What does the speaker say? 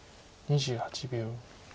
２８秒。